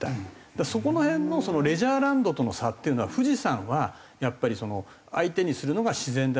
だからそこの辺のレジャーランドとの差っていうのは富士山はやっぱり相手にするのが自然だし。